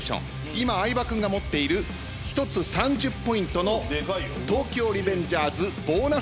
今相葉君が持っている１つ３０ポイントの東京リベンジャーズボーナス風船が追加されます。